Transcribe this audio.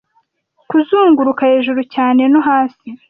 Kuzunguruka hejuru cyane no hasi.